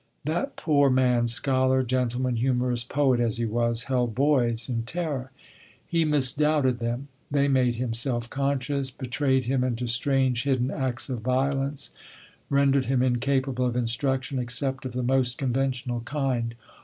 That poor man, scholar, gentleman, humourist, poet, as he was, held boys in terror. He misdoubted them; they made him self conscious, betrayed him into strange hidden acts of violence, rendered him incapable of instruction except of the most conventional kind.